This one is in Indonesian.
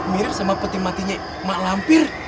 mirip sama peti matinya mak lampir